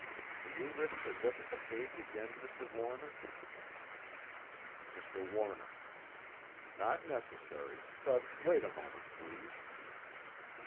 Do you wish to look at the page again, Mr. Warner? MR. WARNER: Not necessary, but wait a moment, please.